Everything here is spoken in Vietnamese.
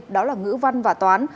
đó là ngữ văn và toán